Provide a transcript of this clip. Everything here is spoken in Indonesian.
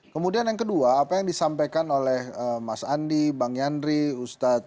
kemudian yang kedua apa yang disampaikan oleh mas andi bang yandri ustadz